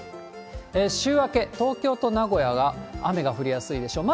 週明け、東京と名古屋が雨が降りやすいでしょう。